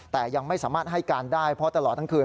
แต่ยังไม่สามารถให้การได้เพราะตลอดทั้งคืน